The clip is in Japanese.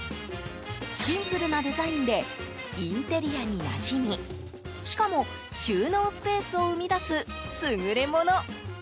シンプルなデザインでインテリアになじみしかも収納スペースを生み出す優れもの。